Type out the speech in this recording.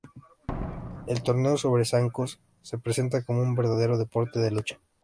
El torneo sobre zancos se presenta como un verdadero deporte de lucha.